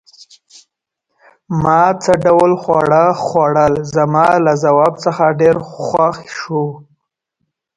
ما څه ډول خواړه خوړل؟ زما له ځواب څخه ډېر خوښ شو.